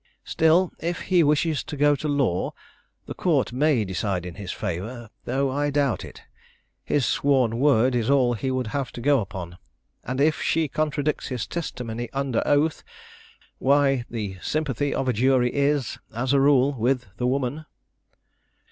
Still, if he wishes to go to law, the Court may decide in his favor, though I doubt it. His sworn word is all he would have to go upon, and if she contradicts his testimony under oath, why the sympathy of a jury is, as a rule, with the woman."